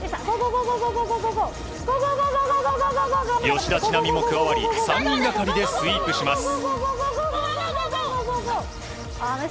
吉田知那美も加わり３人がかりでスイープします。